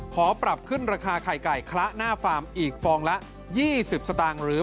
ขอปรับขึ้นราคาไข่ไก่คละหน้าฟาร์มอีกฟองละ๒๐สตางค์หรือ